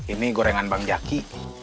ini gorengan bang jaki